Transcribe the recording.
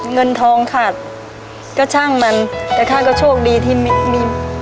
เงินทองขาดก็ช่างมันแต่ข้าก็โชคดีที่ไม่มี